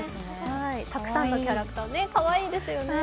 たくさんのキャラクターでかわいいですよね。